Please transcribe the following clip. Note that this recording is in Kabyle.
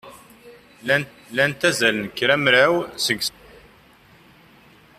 Llant azal n kramraw seg-sent.